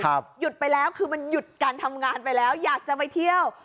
หยุดไปแล้วคือมันหยุดการทำงานไปแล้วอยากจะไปเที่ยว